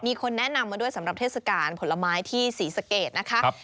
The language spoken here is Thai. มีคนแนะนำมาด้วยสำหรับเทศกาลผลไม้ที่ศรีสะเกดนะคะ